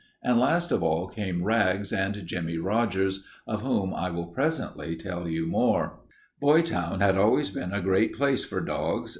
And last of all came Rags and Jimmie Rogers, of whom I will presently tell you more. [Illustration: Great Dane] Boytown had always been a great place for dogs.